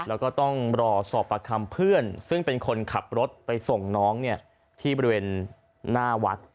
แล้วก็ต้องรอสอบประคำเพื่อนซึ่งเป็นคนขับรถไปส่งน้องที่บริเวณหน้าวัด